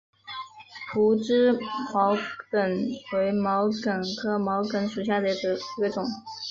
匍枝毛茛为毛茛科毛茛属下的一个种。